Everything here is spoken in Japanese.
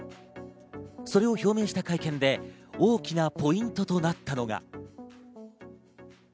それを表明した会見で大きなポイントとなったのが。